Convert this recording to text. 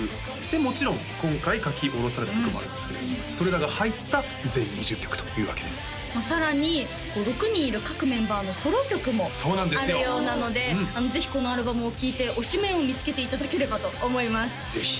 もちろん今回書き下ろされた曲もあるんですけれどもそれらが入った全２０曲というわけですさらに６人いる各メンバーのソロ曲もあるようなのでぜひこのアルバムを聴いて推しメンを見つけていただければと思いますぜひ！